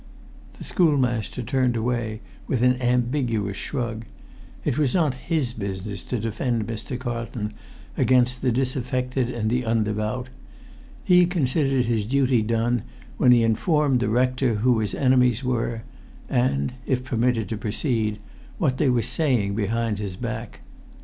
The schoolmaster turned away with an ambiguous shrug. It was not his business to defend Mr. Carlton against the disaffected and the undevout. He considered his duty done when he informed the rector who his enemies were, and (if permitted to proceed) what they were saying behind his back.